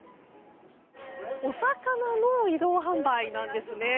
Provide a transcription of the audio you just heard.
お魚の移動販売なんですね。